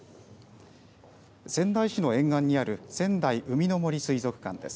仙台市の沿岸にある仙台うみの杜水族館です。